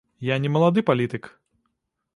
Я не малады палітык!